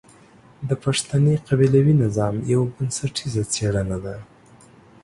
د پښتني قبيلوي نظام يوه بنسټيزه څېړنه ده.